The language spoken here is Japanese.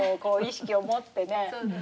意識を持ってね。